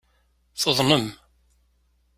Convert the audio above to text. Tuḍnem.